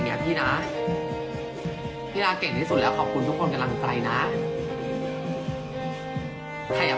เนี้ยพี่นะพี่นาเก่งที่สุดแล้วขอบคุณทุกคนกำลังใจนะใครอยาก